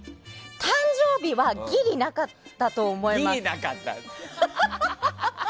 誕生日はギリなかったと思います。